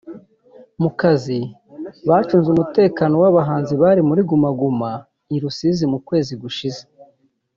mu kazi bacunze umutekano w'abahanzi bari muri Guma Guma i Rusizi mu kwezi gushize